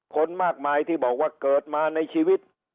คนมากมายที่บอกว่าเกิดมาในชีวิต